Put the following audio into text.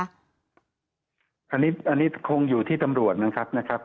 อันนี้คงอยู่ที่ตำรวจนะครับ